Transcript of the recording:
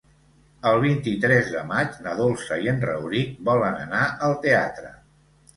El vint-i-tres de maig na Dolça i en Rauric volen anar al teatre.